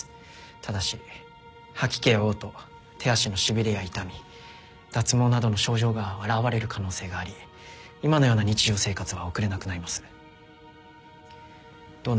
ただし吐き気や嘔吐手足のしびれや痛み脱毛などの症状が現れる可能性があり今のような日常生活は送れなくなります。